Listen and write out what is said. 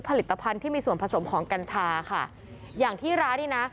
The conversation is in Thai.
ผลิตภัณฑ์ที่มีส่วนผสมของกัญชาค่ะอย่างที่ร้านนี้นะ